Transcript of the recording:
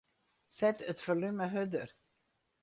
Set it folume hurder.